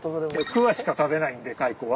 クワしか食べないんで蚕は。